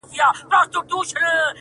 خدای دي ووهه پر ما به توره شپه کړې -